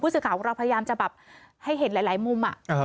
สื่อข่าวของเราพยายามจะแบบให้เห็นหลายมุม